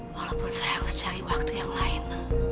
walaupun saya harus cari waktu yang lain